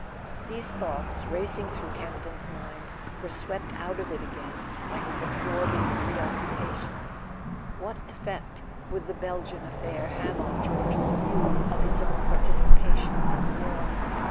These thoughts, racing through Campton's mind, were swept out of it again by his absorbing preoccupa¬ tion. What effect would the Belgian affair have on George's view of his own participation in the war?